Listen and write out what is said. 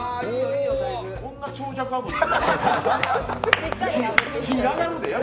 こんな長尺あんの？